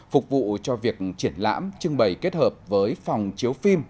phục vụ cho việc triển lãm trưng bày kết hợp với phòng chiếu phim